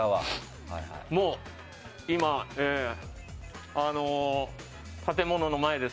今、建物の前です。